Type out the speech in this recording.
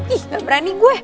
ih gak berani gue